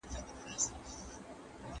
د موبایل بندول کله کله د زړه ارامي ده.